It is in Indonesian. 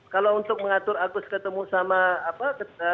kalau untuk mengatur agus ketemu sama apa